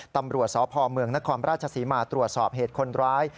ตำรวจสพเมืองนครราชศรีมาตรวจสอบเหตุคนร้าย